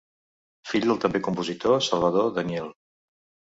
Fill del també compositor Salvador Daniel.